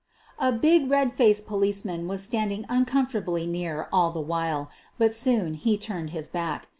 A big red faced policeman was standing uncomfortably near all the while, but soon he turned his back.